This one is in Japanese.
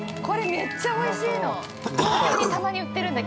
めっちゃおいしい。